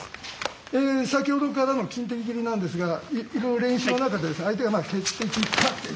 先ほどからの金的蹴りなんですが練習の中で相手が蹴ってきた。